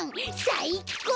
さいっこう！